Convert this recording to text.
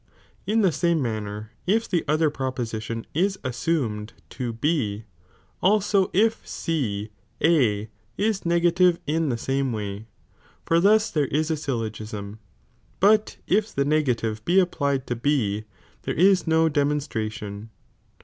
In the same manner, if the other proposi mumcd.'Viiat tion is assumed to B,' also if C A is negative in ■^B™p?«'^'' the same way, for thus there is a syllogism, bat if the negative be applied to B, there is no demon , stration.